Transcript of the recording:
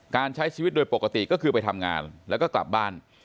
ใช้ชีวิตโดยปกติก็คือไปทำงานแล้วก็กลับบ้าน